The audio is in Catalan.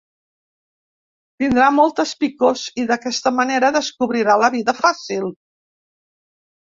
Tindrà moltes picors i d’aquesta manera descobrirà la vida fàcil.